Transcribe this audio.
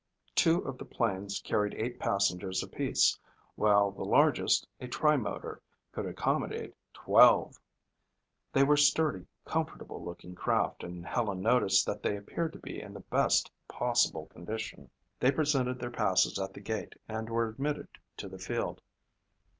Two of the planes carried eight passengers apiece while the largest, a tri motor, could accommodate 12. They were sturdy, comfortable looking craft and Helen noticed that they appeared to be in the best possible condition. They presented their passes at the gate and were admitted to the field.